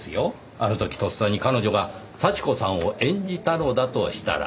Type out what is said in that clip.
あの時とっさに彼女が幸子さんを演じたのだとしたら。